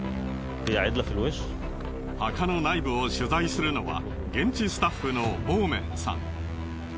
墓の内部を取材するのは現地スタッフのモーメンさん。